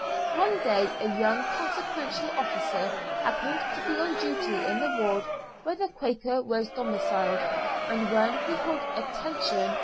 One day, a young consequential officer happened to be on duty in the ward where the Quaker was domiciled, and when he called "Attention!"